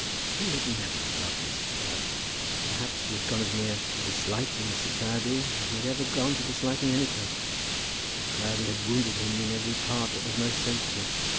He had never loved Mrs. Proudie. Perhaps he had gone as near to disliking Mrs. Proudie as he had ever gone to disliking any person. Mrs. Proudie had wounded him in every part that was most sensitive.